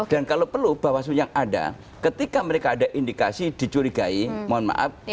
dan kalau perlu bawaslu yang ada ketika mereka ada indikasi dicurigai mohon maaf